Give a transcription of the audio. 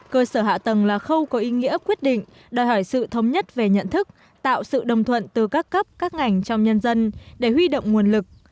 cơ sở hạ tầng là khâu có ý nghĩa quyết định đòi hỏi sự thống nhất về nhận thức tạo sự đồng thuận từ các cấp các ngành trong nhân dân để huy động nguồn lực